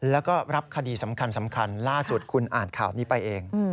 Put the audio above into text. แล้วก็รับคดีสำคัญล่าสุดคุณอ่านข่าวนี้ไปเอง